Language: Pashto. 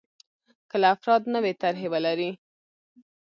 کله افراد نوې طرحې ولري.